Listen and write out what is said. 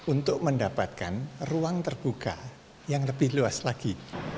untuk mendapatkan ruang terbuka yang lebih luas lagi